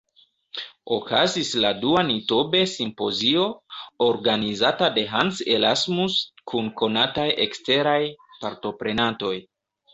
Okazis la dua Nitobe-simpozio, organizata de Hans Erasmus, kun konataj eksteraj partoprenantoj.